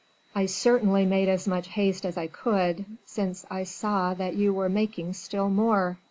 "I certainly made as much haste as I could, since I saw that you were making still more.